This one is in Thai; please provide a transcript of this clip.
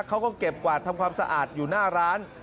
เขาก็เก็บกวาดทำความสะอาดอยู่หน้าร้าน